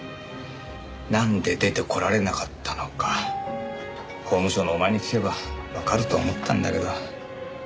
なんで出てこられなかったのか法務省のお前に聞けばわかると思ったんだけど。